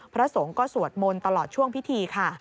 พระสงฆ์ก็สวดมนต์ตลอดช่วงพิธีค่ะ